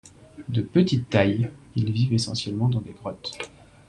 De petites tailles, ils vivent essentiellement dans des grottes.